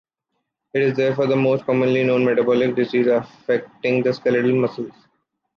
It is therefore the most commonly known metabolic disease affecting the skeletal muscles.